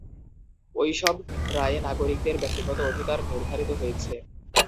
ওইসব রায়ে নাগরিকদের ব্যক্তিগত অধিকার নির্ধারিত হয়েছে।